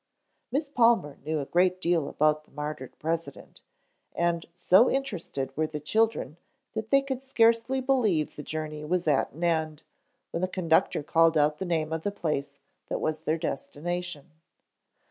Miss Palmer knew a great deal about the martyred president and so interested were the children that they could scarcely believe the journey was at an end when the conductor called out the name of the place that was their destination.